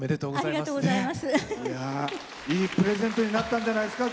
いいプレゼントになったんじゃないですか。